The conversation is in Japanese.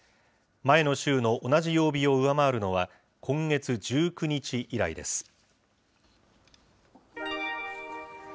前の週の同じ曜日を上回るのは、今月１９日以来です。